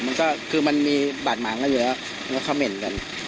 มันก็คือมันมีบาดหมำเยอะเพราะเคราะห์เม่นกัน